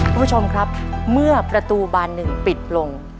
คุณผู้ชมครับเมื่อประตูบานหนึ่งปิดลง